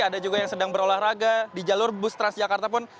ada juga yang sedang berolahraga di jalur bus transjakarta pun